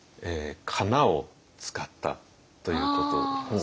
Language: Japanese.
かなを使ったということですね。